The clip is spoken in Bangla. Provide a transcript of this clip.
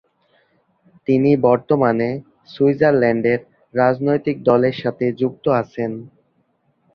তিনি বর্তমানে সুইজারল্যান্ডের রাজনৈতিক দলের সাথে যুক্ত আছেন।